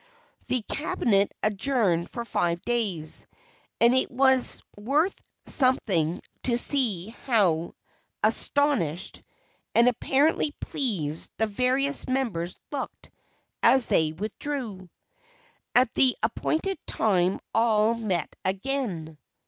The "cabinet" adjourned for five days, and it was worth something to see how astonished, and apparently pleased, the various members looked as they withdrew. At the appointed time all met again.